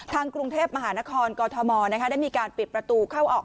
กรุงเทพมหานครกอทมได้มีการปิดประตูเข้าออก